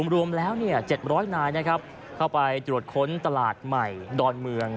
รวมแล้ว๗๐๐นายนะครับเข้าไปตรวจค้นตลาดใหม่ดอนเมือง